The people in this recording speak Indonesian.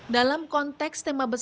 dalam konteks tema pembangunan